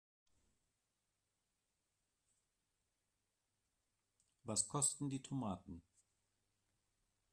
Was kosten die Tomaten?